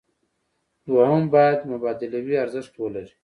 دویم باید مبادلوي ارزښت ولري.